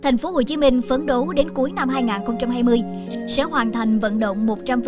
thành phố hồ chí minh phấn đấu đến cuối năm hai nghìn hai mươi sẽ hoàn thành vận động một trăm linh